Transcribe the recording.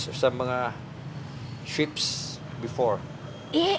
えっ！